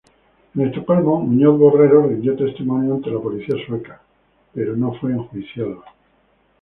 En Estocolmo, Muñoz Borrero rindió testimonio ante la policía sueca, pero no fue enjuiciado.